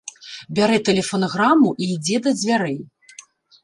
Бярэ тэлефанаграму і ідзе да дзвярэй.